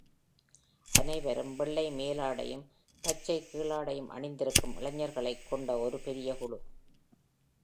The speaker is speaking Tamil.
அனைவரும் வெள்ளை மேலாடையும் பச்சை கீழாடையும் அணிந்திருக்கும் இளைஞர்களைக் கொண்ட ஒரு பெரிய குழு